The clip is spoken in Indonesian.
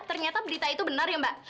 tanya ini benar